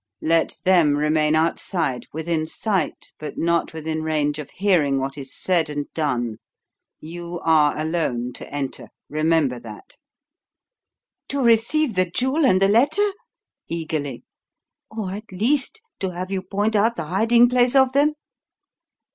Let them remain outside within sight, but not within range of hearing what is said and done. You are alone to enter remember that." "To receive the jewel and the letter?" eagerly. "Or, at least, to have you point out the hiding place of them?"